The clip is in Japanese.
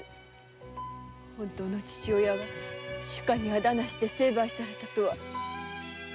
本当の父親は主家に仇なして成敗されたとは。